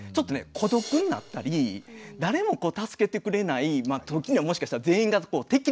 孤独になったり誰も助けてくれない時にはもしかしたら全員が敵に見えたりするわけですよね。